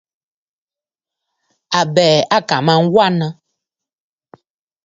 Àbɛ̀ɛ̀ à kà mə aa wanə.